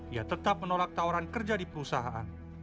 ia tetap menolak tawaran kerja di perusahaan